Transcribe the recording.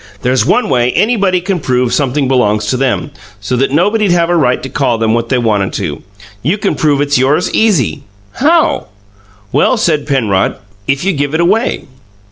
"There's one way anybody can always prove sumpthing belongs to them, so that nobody'd have a right to call them what they wanted to. You can prove it's yours, EASY!" "How?" "Well," said Penrod, "if you give it away."